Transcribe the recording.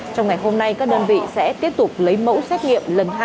trong ngày hôm nay các đơn vị sẽ tiếp tục lấy mẫu xét nghiệm lần hai